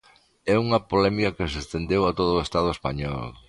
E unha polémica que se estendeu a todo o Estado español.